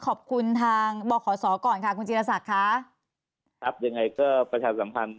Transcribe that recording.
ขอบคุณทางบขศก่อนค่ะคุณจีรศักดิ์ค่ะครับยังไงก็ประชาสัมพันธ์